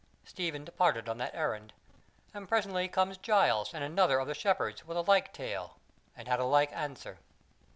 Stephen departed on that errand; and presently comes Giles and another of the Shepherds with a like tale, and had a like answer.